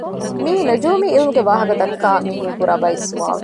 މިއީ ނުޖޫމީ ޢިލްމުގެ ވާހަކަ ދައްކާ މީހުން ކުރާ ބައެއް ސުވާލު